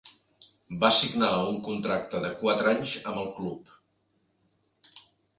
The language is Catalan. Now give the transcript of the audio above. Va signar un contracte de quatre anys amb el club.